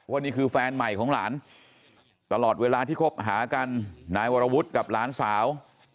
นี่คือแฟนใหม่ของหลานตลอดเวลาที่คบหากันนายวรวุฒิกับหลานสาว